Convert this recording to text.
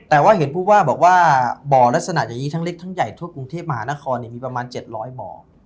แต่ว่าเห็นผู้ว่าบอกว่าบ่อลักษณะอย่างนี้ทั้งเล็กทั้งใหญ่ทั่วกรุงเทพมหานครมีประมาณ๗๐๐บ่อ